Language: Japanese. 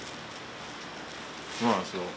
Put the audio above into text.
そうなんですよ